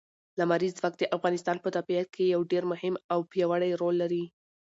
لمریز ځواک د افغانستان په طبیعت کې یو ډېر مهم او پیاوړی رول لري.